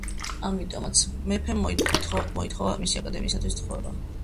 ამიტომაც მეფემ მოითხოვა მისი აკადემიისთვის თხოვება.